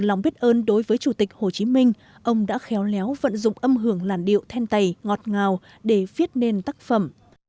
ông đã khéo léo vận dụng âm hưởng làn điệu then tày ngọt ngào để viết nên tác phẩm